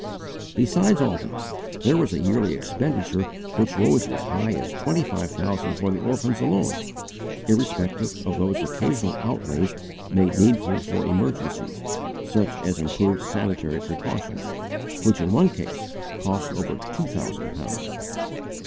Besides all this, there was a yearly expenditure which rose as high as twenty five thousand for the orphans alone, irrespective of those occasional outlays made needful for emergencies, such as improved sanitary precautions, which in one case cost over two thousand pounds.